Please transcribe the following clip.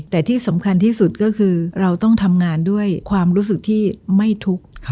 แต่ที่สำคัญที่สุดก็คือเราต้องทำงานด้วยความรู้สึกที่ไม่ทุกข์